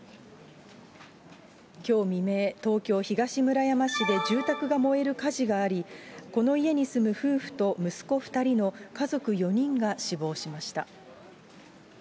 きょう未明、東京・東村山市で住宅が燃える火事があり、この家に住む夫婦と息子２人の家族４人が死亡しました。